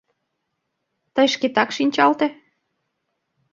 Тый шкетак шинчалте?